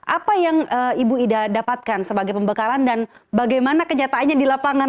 apa yang ibu ida dapatkan sebagai pembekalan dan bagaimana kenyataannya di lapangan